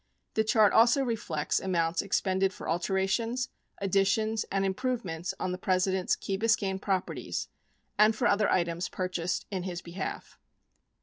The chart also reflects amounts expended for alterations, additions, and improvements on the President's Key Biscayne properties and for other items purchased in his behalf.